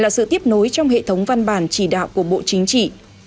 là sự tiếp nối trong hệ thống văn bản chỉ đạo của bộ chính trị